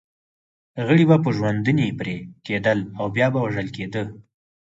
غړي به په ژوندوني پرې کېدل او بیا به وژل کېده.